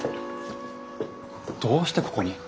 どうしてここに？